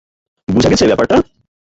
বুঝা গেছে ব্যাপারটা?